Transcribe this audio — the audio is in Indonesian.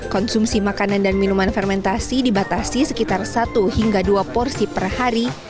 konsumsi makanan dan minuman fermentasi dibatasi sekitar satu hingga dua porsi per hari